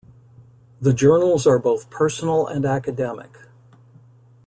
The journals are both personal and academic.